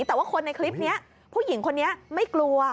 แต่ว่าคนในคลิปนี้ผู้หญิงคนนี้ไม่กลัว